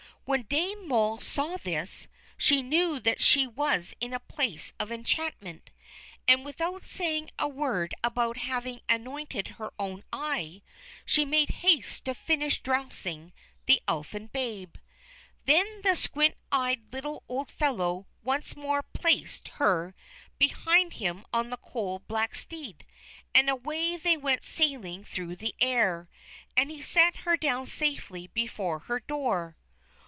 When Dame Moll saw this, she knew that she was in a place of enchantment, and without saying a word about having anointed her own eye, she made haste to finish dressing the Elfin babe. Then the squint eyed little old fellow once more placed her behind him on the coal black steed, and away they went sailing through the air. And he set her down safely before her door.